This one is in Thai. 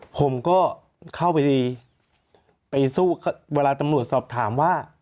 ผมก็เข้าไปไปสู้เวลาตำรวจสอบถามว่า